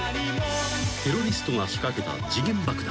［テロリストが仕掛けた時限爆弾］